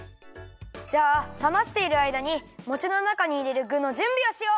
じゃあさましているあいだにもちのなかにいれるぐのじゅんびをしよう！